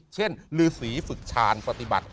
เช่นลือสีฝึกชาญปฏิบัติ